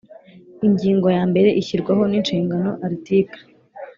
Ingingo yambere Ishyirwaho n inshingano Article